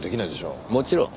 もちろん。